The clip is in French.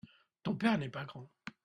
Ton père n’est pas grand.